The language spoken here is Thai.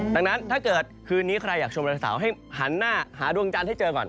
ดังนั้นถ้าเกิดคืนนี้ใครอยากชมวันเสาร์ให้หันหน้าหาดวงจันทร์ให้เจอก่อน